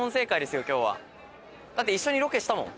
だって一緒にロケしたもん。